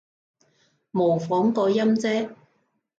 模仿個音啫